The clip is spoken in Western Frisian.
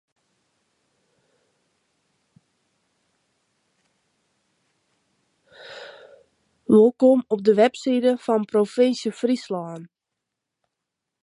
Wolkom op de webside fan de provinsje Fryslân.